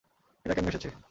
এরা কেন এসেছে?